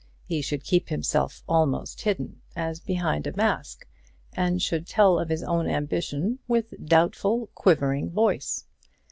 He should keep himself almost hidden, as behind a mask, and should tell of his own ambition with doubtful, quivering voice.